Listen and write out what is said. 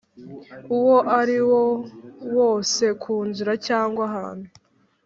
uwo ariwo wose ku nzira cyangwa ahantu